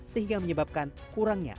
sehingga menyebabkan kurangnya